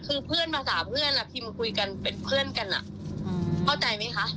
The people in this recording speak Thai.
คือเพื่อนมาต่อเพื่อนพิมพ์มาคุยกันเป็นเพื่อนกันอ่ะ